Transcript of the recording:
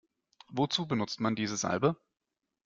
Wozu benutzt man diese Salbe?